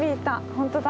本当だ。